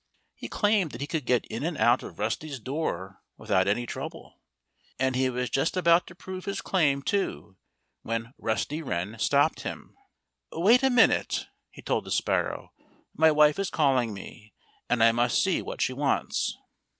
He claimed that he could get in and out of Rusty's door without any trouble. And he was just about to prove his claim, too, when Rusty Wren stopped him. "Wait a moment!" he told the sparrow. "My wife is calling me. And I must see what she wants."